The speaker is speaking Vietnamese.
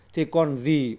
thì còn gì để làm được